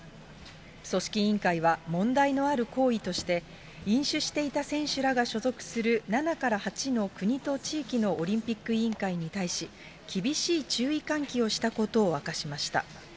組織委員会は問題のある行為として、飲酒していた選手らが所属する、７から８の国と地域のオリンピック委員会に対し、厳しい注意喚起をしたことを明かしました。